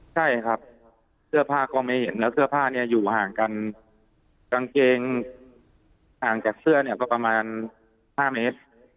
ใช่ครับเสื้อผ้าก็ไม่เห็นแล้วเสื้อผ้าเนี่ยอยู่ห่างกันกางเกงห่างจากเสื้อเนี่ยก็ประมาณ๕เมตร